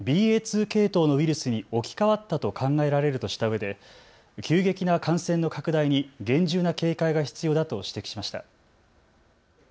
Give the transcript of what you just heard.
２系統のウイルスに置き換わったと考えられるとしたうえで急激な感染の拡大に厳重な警戒が必要だと指摘しました。